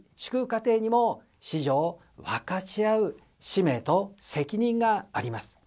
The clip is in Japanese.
家庭にも子女を分かち合う使命と責任があります。